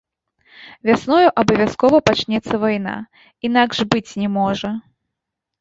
Вясною абавязкова пачнецца вайна, інакш быць не можа.